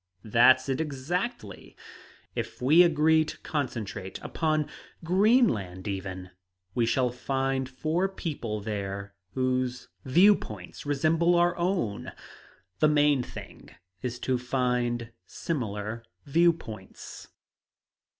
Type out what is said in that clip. "That's it exactly. If we agree to concentrate upon Greenland, even, we shall find four people there whose view points resemble our own. The main thing is to find similar view points."